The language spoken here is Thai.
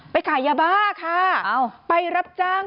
ขายยาบ้าค่ะไปรับจ้าง